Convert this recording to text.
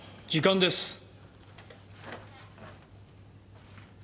時間です。